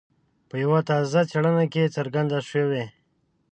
په یوه تازه څېړنه کې څرګنده شوي.